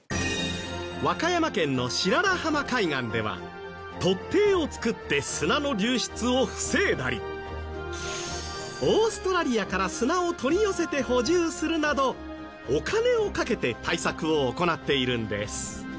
和歌山県の白良浜海岸では突堤を造って砂の流出を防いだりオーストラリアから砂を取り寄せて補充するなどお金をかけて対策を行っているんです。